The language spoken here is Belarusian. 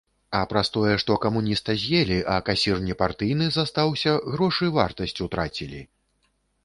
А праз тое, што камуніста з'елі, а касір непартыйны застаўся, грошы вартасць утрацілі.